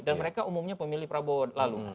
dan mereka umumnya pemilih prabowo lalu